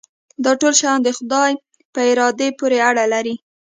دا ټول شیان د خدای په اراده پورې اړه لري.